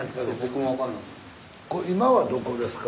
今はどこですか？